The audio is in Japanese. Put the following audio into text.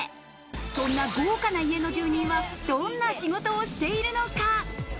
そんな豪華な家の住人は、どんな仕事をしているのか。